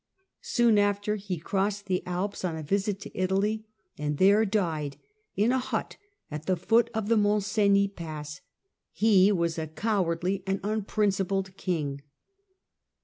Soon after, he crossed the Alps on a visit to Italy, and there died, in a hut at the foot of the Mont Cenis pass. He was a cowardly and unprincipled king.